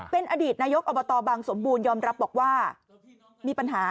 เป็นอดีตในยกอบตบางฯสมบูรณ์ยอมรับบอกว่า